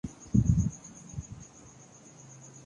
پشت پناہی کامطلب ہے۔